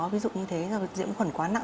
ví dụ như thế là nhiễm khuẩn quá nặng